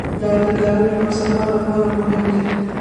دا د کرنې او سفر لپاره مهم دی.